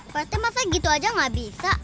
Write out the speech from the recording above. pasti maksudnya gitu aja gak bisa